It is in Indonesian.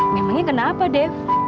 memangnya kenapa dev